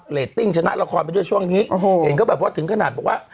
เรตติ้งชนะละครไปด้วยช่วงนี้เห็นก็แบบเพราะถึงขนาดบอกว่า